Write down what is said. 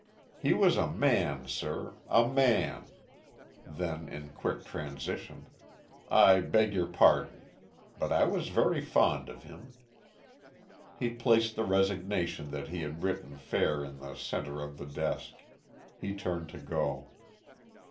He was a man, sir a man!" Then, in quick transition: "I beg your pardon. But I was very fond of him." He placed the resignation that he had written fair in the center of the desk. He turned to go.